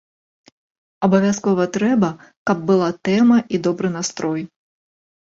Абавязкова трэба, каб была тэма і добры настрой.